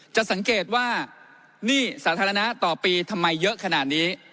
จะสังเกตว่าหนี้สาธารณะต่อปีทำไมเยอะขนาดนี้